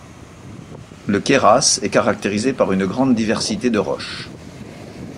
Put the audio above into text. Le Queyras est caractérisé par une grande diversité de roches.